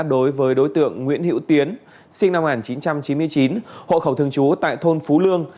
đối với đối tượng nguyễn hữu tiến sinh năm một nghìn chín trăm chín mươi chín hộ khẩu thường trú tại thôn phú lương